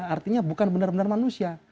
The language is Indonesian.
artinya bukan benar benar manusia